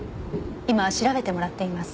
今調べてもらっています。